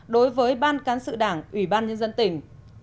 đối với ban cán sự đảng ubnd tỉnh